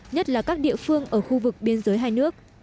nhất là các địa phương ở khu vực biên giới hai nước